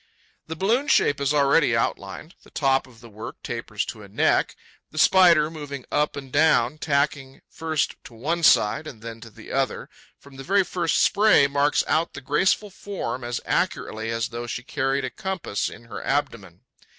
The balloon shape is already outlined; the top of the work tapers to a neck. The Spider, moving up and down, tacking first to one side and then to the other, from the very first spray marks out the graceful form as accurately as though she carried a compass in her abdomen.